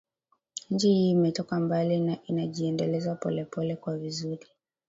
Nchi hii imetoka mbali na inajiendeleza polepole kwa vizuri